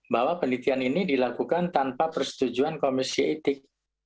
bahwa penelitian ini dilakukan tanpa persetujuan komisi etik